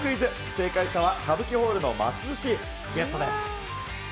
正解者はカブキホールのますずしゲットです。